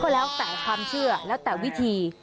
แล้วแต่ความเชื่อแล้วแต่วิธี